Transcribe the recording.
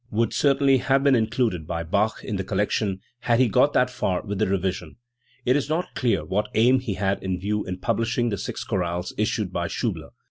I2a) would certainly have been included by Bach in the col lection had he got that far with the revision. It is not clear what aim he had in view in publishing the six chorales issued by Schiibler.